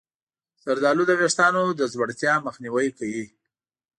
زردآلو د ویښتانو د ځوړتیا مخنیوی کوي.